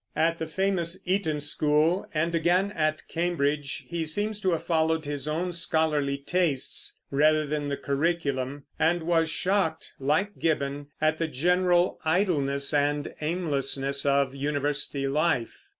At the famous Eton school and again at Cambridge, he seems to have followed his own scholarly tastes rather than the curriculum, and was shocked, like Gibbon, at the general idleness and aimlessness of university life.